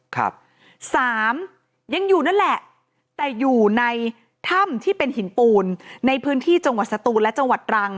ครับสามยังอยู่นั่นแหละแต่อยู่ในถ้ำที่เป็นหินปูนในพื้นที่จังหวัดสตูนและจังหวัดตรัง